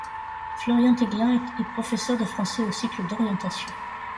Florian Eglin est professeur de français au cycle d'orientation.